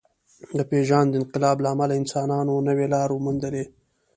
د پېژاند انقلاب له امله انسانانو نوې لارې وموندلې.